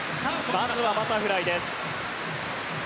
まずはバタフライです。